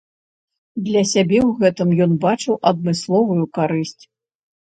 Для сябе ў гэтым ён бачыў адмысловую карысць.